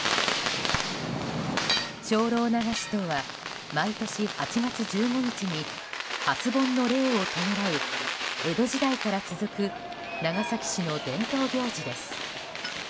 精霊流しとは毎年８月１５日に初盆の霊を弔う江戸時代から続く長崎市の伝統行事です。